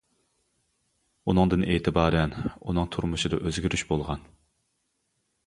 ئۇنىڭدىن ئېتىبارەن ئۇنىڭ تۇرمۇشىدا ئۆزگىرىش بولغان.